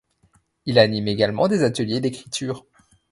Il anime également des ateliers d'écriture.